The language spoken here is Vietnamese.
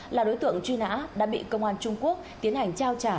là đối tượng truy nã đã bị công an trung quốc tiến hành trao trả